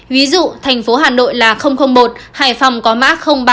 ví dụ thành phố hà nội là một hải phòng có mã ba mươi một